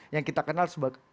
yang kita kenal sebagai